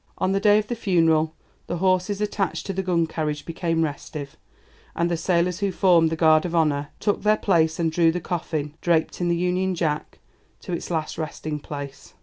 On the day of the funeral the horses attached to the gun carriage became restive, and the sailors who formed the guard of honour took their place, and drew the coffin, draped in the Union Jack, to its last resting place.